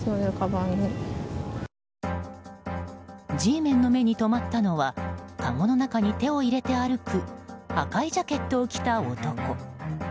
Ｇメンの目に留まったのはかごの中に手を入れて歩く赤いジャケットを着た男。